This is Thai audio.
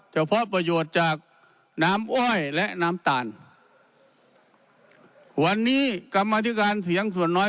เฉพาะประโยชน์จากน้ำอ้อยและน้ำตาลวันนี้กรรมธิการเสียงส่วนน้อย